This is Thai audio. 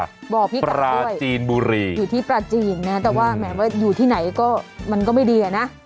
บ่อพี่กับช่วยปลาจีนบุรีอยู่ที่ปลาจีนนะแต่ว่าอยู่ที่ไหนก็มันก็ไม่ดีอะนะ